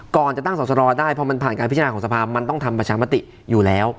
ก่อนจะตั้งสอสรได้พอมันผ่านการพิจารณาของสภามันต้องทำประชามติอยู่แล้ว